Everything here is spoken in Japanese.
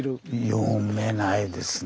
読めないですね。